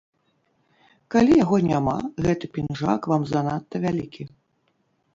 Калі яго няма, гэты пінжак вам занадта вялікі.